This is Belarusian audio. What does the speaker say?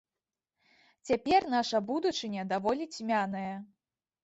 Цяпер наша будучыня даволі цьмяная.